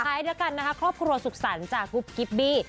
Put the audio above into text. ใช้ด้วยกันนะครับครอบครัวสุขสรรจากกุบกิฟต์บี้